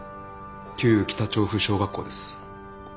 旧北調布小学校です。